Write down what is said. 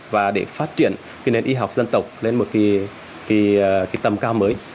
và để phát triển cái nền y học dân tộc lên một cái tầm cao mới